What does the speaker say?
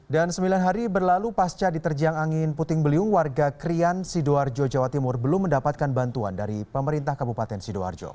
dan sembilan hari berlalu pasca diterjang angin puting beliung warga krian sidoarjo jawa timur belum mendapatkan bantuan dari pemerintah kabupaten sidoarjo